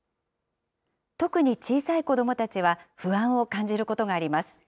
特に小さい子どもたちは不安を感じることがあります。